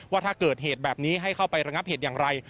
ว่าถ้าเกิดเหตุแบบนี้ให้เข้าไประงับเหตุอย่างไร